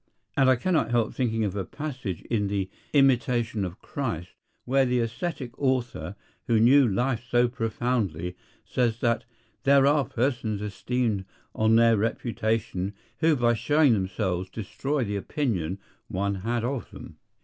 And I cannot help thinking of a passage in the "Imitation of Christ" where the ascetic author, who knew life so profoundly, says that "there are persons esteemed on their reputation who by showing themselves destroy the opinion one had of them."